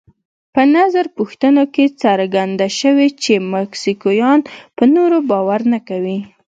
په نظر پوښتنو کې څرګنده شوې چې مکسیکویان پر نورو باور نه کوي.